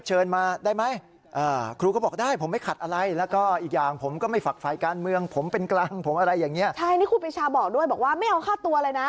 ใช่นี่ครูปริชาบอกด้วยบอกว่าไม่เอาค่าตัวเลยนะ